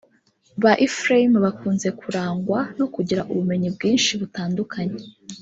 Ba Ephraim bakunze kurangwa no kugira ubumenyi bwinshi butandukanye